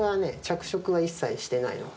着色はね一切してないの。